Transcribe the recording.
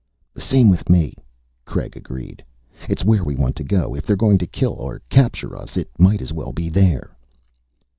"The same with me," Craig agreed. "It's where we want to go. If they're going to kill or capture us, it might as well be there."